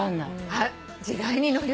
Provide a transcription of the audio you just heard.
はい。